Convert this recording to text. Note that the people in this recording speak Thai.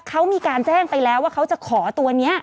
เขามีการแจ้งไปแล้วว่าเขาจะขอตัวนี้